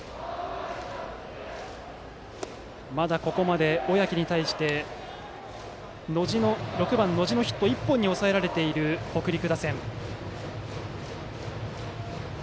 まだ、ここまで小宅に対して６番、野路のヒット１本に抑えられている北陸打線。